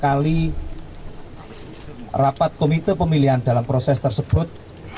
kali rapat komite pemilihan dalam proses tersebut